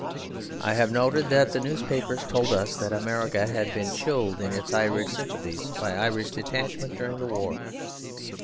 I have noted that the newspapers told us that America had been chilled in its Irish sympathies by Irish detachment during the war.